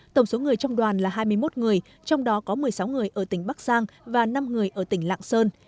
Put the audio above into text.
tổng số người trong đoàn là hai mươi một người trong đó có một mươi sáu người ở tỉnh bắc giang và năm người ở tỉnh lạng sơn